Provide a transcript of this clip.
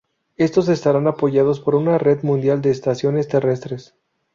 Estos estarán apoyados por una red mundial de estaciones terrestres.